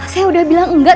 saya udah bilang enggak